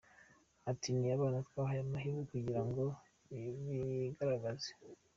Ati “Ni abana twahaye amahirwe kugira ngo bigaragaze.